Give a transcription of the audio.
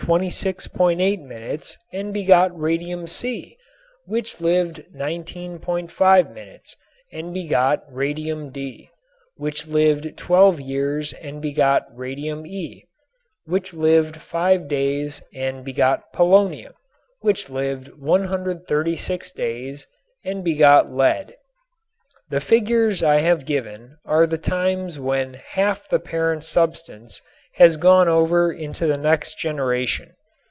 8 minutes and begot Radium C, which lived 19.5 minutes and begot Radium D, which lived 12 years and begot Radium E, which lived 5 days and begot Polonium, which lived 136 days and begot Lead. The figures I have given are the times when half the parent substance has gone over into the next generation.